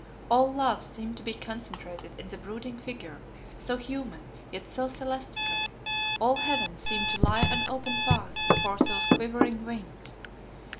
All love seemed to be concentrated in the brooding figure, so human, yet so celestial; all heaven seemed to lie an open path before those quivering wings.